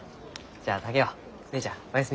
じゃあ竹雄姉ちゃんおやすみ。